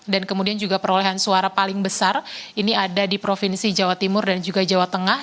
dan kemudian juga perolehan suara paling besar ini ada di provinsi jawa timur dan juga jawa tengah